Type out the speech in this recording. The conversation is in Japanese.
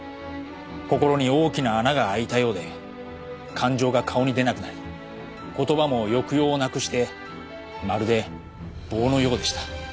心に大きな穴が開いたようで感情が顔に出なくなり言葉も抑揚をなくしてまるで棒のようでした。